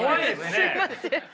すみません！